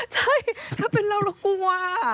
ถ้าเป็นเราคมัว